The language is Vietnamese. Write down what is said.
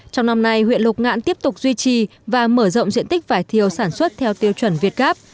trong năm nay huyện lục ngạn tiếp tục duy trì và mở rộng diện tích vải thiều sản xuất theo tiêu chuẩn việt gáp